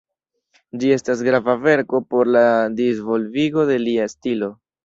Ĝi estas grava verko por la disvolvigo de lia stilo.